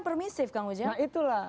permissive kang ujang nah itulah